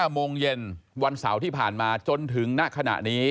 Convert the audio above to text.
โมงเย็นวันเสาร์ที่ผ่านมาจนถึงณขณะนี้